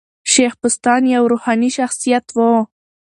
شېخ بُستان یو روحاني شخصیت وو.